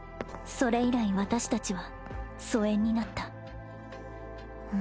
それ以来私達は疎遠になったう